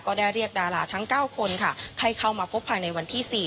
ก็ได้เรียกดาราทั้ง๙คนค่ะให้เข้ามาพบภายในวันที่๔